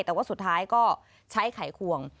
แต่ว่าสุดท้ายก็ใช้ไขควง